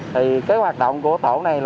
thì cái hoạt động của tổ này